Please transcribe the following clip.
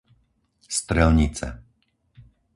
Strelnice